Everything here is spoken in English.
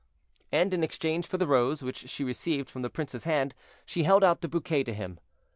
And in exchange for the rose which she received from the prince's hand, she held out the bouquet to him.